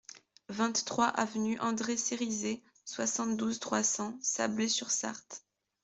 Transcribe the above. vingt-trois avenue André Cerisay, soixante-douze, trois cents, Sablé-sur-Sarthe